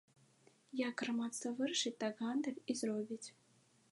Як грамадства вырашыць, так гандаль і зробіць.